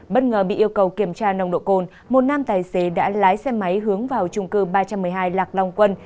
bất ngờ bị yêu cầu kiểm tra nồng độ cồn một nam tài xế đã lái xe máy hướng vào trung cư ba trăm một mươi hai lạc long quân